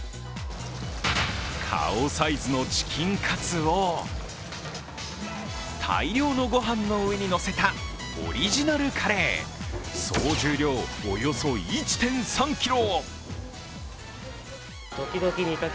顔サイズのチキンカツを大量のごはんの上にのせたオリジナルカレー、総重量およそ１．３ｋｇ。